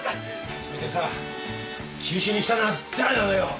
それでさ中止にしたのは誰なのよ！